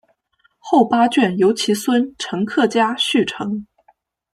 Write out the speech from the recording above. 后八卷由其孙陈克家续成。